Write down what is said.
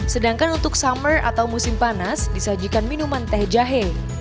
sedangkan untuk summer atau musim panas disajikan minuman teh jahe